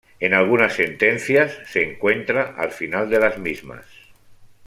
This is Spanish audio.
En algunas sentencias se encuentra al final de las mismas.